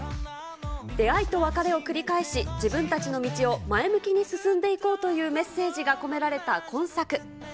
出会いと別れを繰り返し、自分たちの道を前向きに進んでいこうというメッセージが込められた今作。